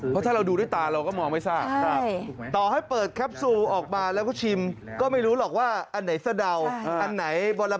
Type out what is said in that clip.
อ๋อเพราะถ้าเราดูด้วยตาเราก็มองไม่ทราบ